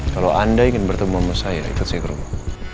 kalau anda ingin bertemu sama saya ikut saya ke rumah